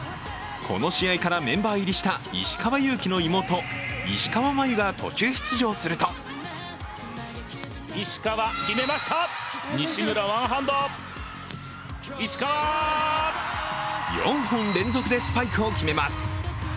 この試合からメンバー入りした石川祐希の妹石川真佑が途中出場すると４本連続でスパイクを決めます。